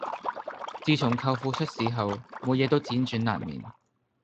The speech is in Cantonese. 自從舅父出事後每夜都輾轉難眠